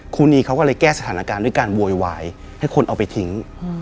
ครูนีเขาก็เลยแก้สถานการณ์ด้วยการโวยวายให้คนเอาไปทิ้ง